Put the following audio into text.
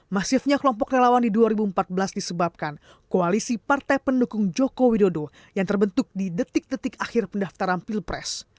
masifnya kelompok relawan di dua ribu empat belas disebabkan koalisi partai pendukung jokowi dodo yang terbentuk di detik detik akhir pendaftaran pilpres